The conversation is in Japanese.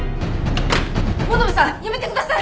物部さんやめてください！